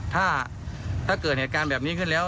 ถ้าเกิดเหตุการณ์แบบนี้ขึ้นแล้ว